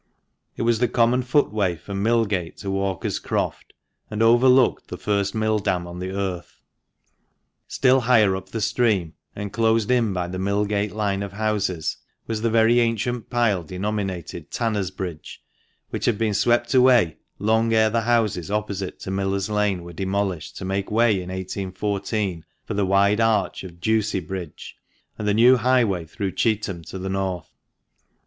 It was the common footway from Millgate to Walker's Croft, and overlooked the first mill dam on the Irk. Still higher up the stream, and closed in by the Millgate line of houses, was the very ancient pile denominated Tanners' Bridge, which had been swept away long ere the houses opposite to Millers' Lane were demolished to make way in 1814 for the wide arch of Ducie Bridge, and the new highway through Cheetham to the North.